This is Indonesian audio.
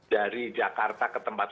dari jakarta ke tempat